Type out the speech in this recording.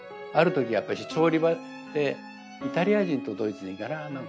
ある時調理場でイタリア人とドイツ人かな